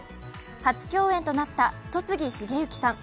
初共演となった戸次重幸さん。